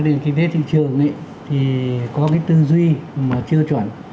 trong kinh tế thị trường có tư duy chưa chuẩn